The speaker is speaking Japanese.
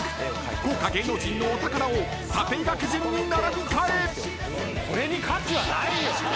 豪華芸能人のお宝を査定額順に並び替え］